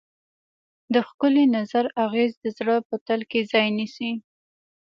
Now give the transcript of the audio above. د ښکلي نظر اغېز د زړه په تل کې ځای نیسي.